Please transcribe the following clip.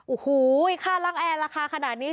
โอ้โหค่าล้างแอร์ราคาขนาดนี้